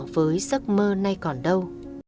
với giấc mơ nay còn đâu